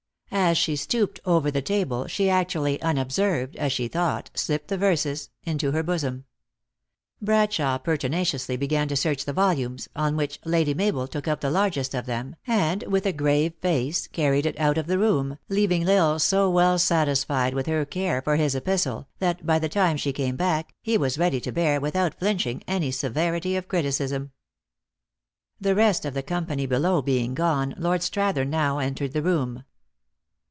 As she stooped over the table, she actually, unobserved, as she thought, slipped the verses into her bosom. Brad shawe pertinaciously began to search the volumes ; THE ACTRESS IN HIGH LIFE. 315 on which, Lady Mabel took up the largest of them, and with a grave face carried it out of the room, leaving L Isle so well satisfied with her care for his epistle, that, by the time she came back, he was ready to bear, without flinching, any severity of criticism. The rest of the company below being gone, Lord Strathern now entered the room.